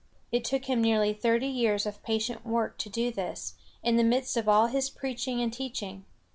It took him nearly thirty years of patient work to do this, in the midst of all his preaching and teaching.